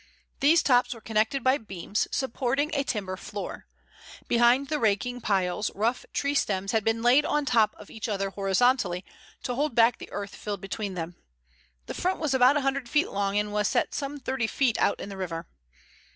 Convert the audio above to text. These tops were connected by beams, supporting a timber floor. Behind the raking piles rough tree stems had been laid on the top of each other horizontally to hold back the earth filled behind them. The front was about a hundred feet long, and was set some thirty feet out in the river.